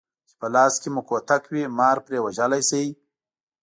چې په لاس کې مو کوتک وي مار پرې وژلی شئ.